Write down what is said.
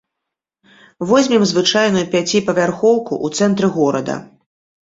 Возьмем звычайную пяціпавярхоўку ў цэнтры горада.